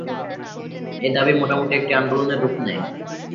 এই দাবী মোটামুটি একটি আন্দোলনে রূপ নেয়।